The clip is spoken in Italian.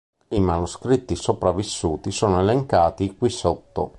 I manoscritti sopravvissuti sono elencati qui sotto.